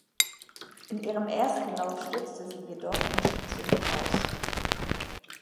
In ihrem ersten Lauf stürzte sie jedoch und schied somit aus.